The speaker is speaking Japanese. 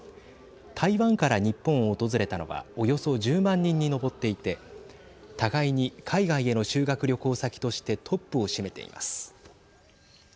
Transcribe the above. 台湾から日本を訪れたのはおよそ１０万人に上っていて互いに海外への修学旅行先としてトップを占めています。